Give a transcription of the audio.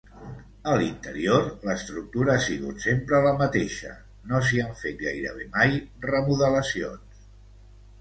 A l’interior, l’estructura ha sigut sempre la mateixa, no s’hi han fet gairebé mai remodelacions.